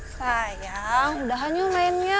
sayang udah hanyut mainnya